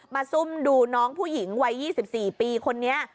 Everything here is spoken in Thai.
ซุ่มดูน้องผู้หญิงวัย๒๔ปีคนนี้